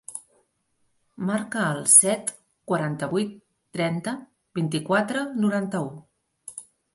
Marca el set, quaranta-vuit, trenta, vint-i-quatre, noranta-u.